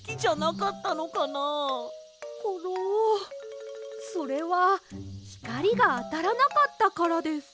コロそれはひかりがあたらなかったからです。